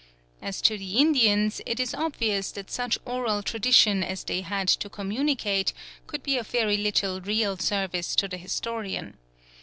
As to the Indians, it is obvious that such oral tradition as they had to communicate could be of very little real service to the historian.